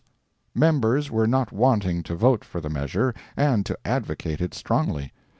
Members were not wanting to vote for the measure, and to advocate it strongly.